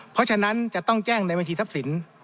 เพราะฉะนั้นจะต้องแจ้งในบัญชีทรัพย์สิน